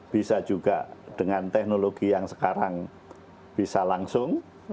bisa juga dengan teknologi yang sekarang bisa langsung